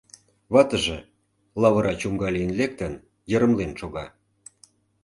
Ватыже, лавыра чуҥга лийын лектын, йырымлен шога.